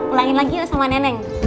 ulangin lagi yuk sama neneng